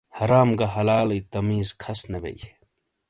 حرام گہ حلالئیی تمیز کھس نے بئیی۔